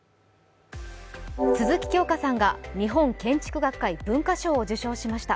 鈴木京香さんが日本建築学会文化賞を受賞しました。